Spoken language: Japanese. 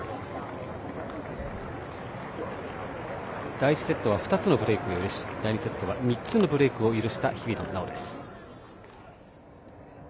第１セットは２つのブレークを許し第２セットは３つのブレークを許した日比野菜緒です。